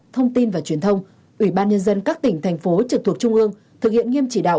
thông tin và truyền thông ủy ban nhân dân các tỉnh thành phố trực thuộc trung ương thực hiện nghiêm chỉ đạo